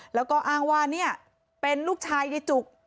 แล้วก็อ้างว่าเนี่ยเป็นลูกชายยายจุก